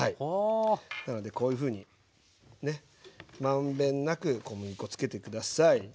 なのでこういうふうにね満遍なく小麦粉つけて下さい。